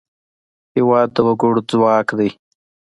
هېواد د وګړو ځواک دی.